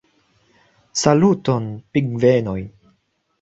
Saluton, pingvenoj!